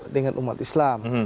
dengan umat islam